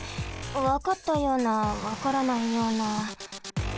わかったようなわからないような。